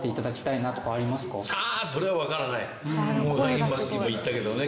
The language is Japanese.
今さっきも言ったけどね